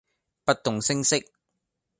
不動聲色